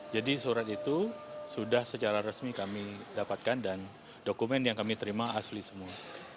jadi surat itu sudah secara resmi kami dapatkan dan dokumen yang kami terima asli semua